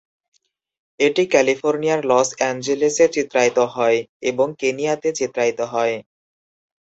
এটি ক্যালিফোর্নিয়ার লস অ্যাঞ্জেলেসে চিত্রায়িত হয় এবং কেনিয়াতে চিত্রায়িত হয়।